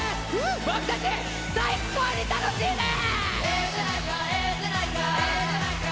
僕たち最高に楽しいです！